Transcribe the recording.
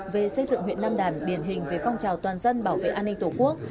về xây dựng huyện nam đàn điển hình về phong trào toàn dân bảo vệ an ninh tổ quốc